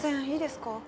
いいですか？